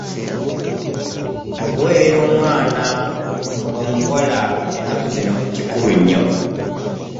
Okuweerera omwana omuwala ennaku zino kikulu nnyo.